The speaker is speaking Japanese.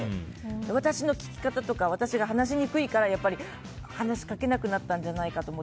私の聞き方とか私が話しにくいから話しかけなくなったんじゃないかと思って。